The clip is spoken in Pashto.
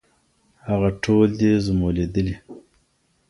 هغه ټول دي زمولېدلي